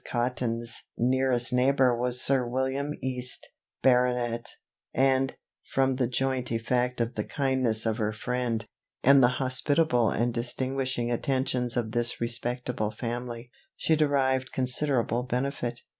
Cotton's nearest neighbour was Sir William East, baronet; and, from the joint effect of the kindness of her friend, and the hospitable and distinguishing attentions of this respectable family, she derived considerable benefit.